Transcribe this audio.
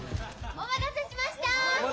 お待たせしました。